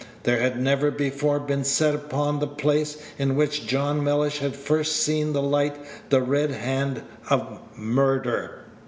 There had never before been set upon the place in which John Mellish had first seen the light the red hand of MURDER.